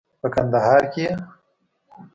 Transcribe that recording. په کندهار کې یې